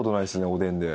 おでんで。